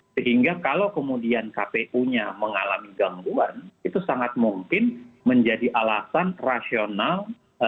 sehingga kalau kemudian kpu nya mengalami gangguan itu sangat mungkin menjadi alasan rasional